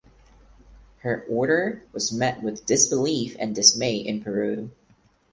Her order was met with disbelief and dismay in Peru.